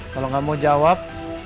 kalau gak mau jawab